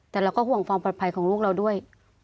แต่เราก็ห่วงความปลอดภัยของลูกเราด้วย